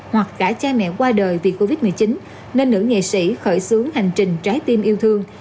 hoặc cả cha mẹ qua đời vì covid một mươi chín nên nữ nghệ sĩ khởi xướng hành trình trái tim yêu thương